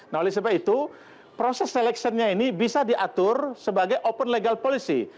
nah oleh sebab itu proses seleksiannya ini bisa diatur sebagai open legal policy